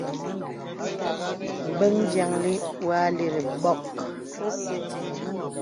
Bəŋ vyàŋli wɔ àlirì bɔ̀k.